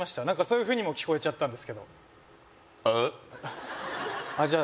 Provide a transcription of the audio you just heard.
何かそういうふうにも聞こえちゃったんですけどああ？